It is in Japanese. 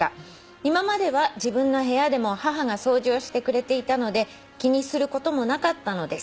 「今までは自分の部屋でも母が掃除をしてくれていたので気にすることもなかったのです。